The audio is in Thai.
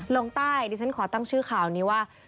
ลงใต้ดิฉันขอตั้งชื่อข่าวนี้ว่า